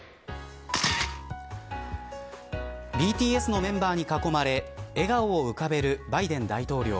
ＢＴＳのメンバーに囲まれ笑顔を浮かべるバイデン大統領。